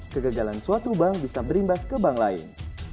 kegagalan suatu bank bisa berimbas ke bank lain